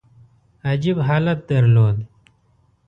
عجیب حالت درلود.